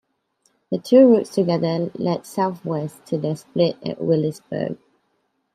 The two routes together lead southwest to their split at Wylliesburg.